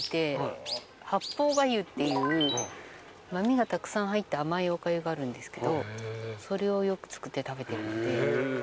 八宝粥っていう豆がたくさん入った甘いおかゆがあるんですけどそれをよく作って食べてるので。